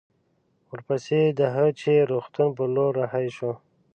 ورپسې د هه چه روغتون پر لور رهي شوو.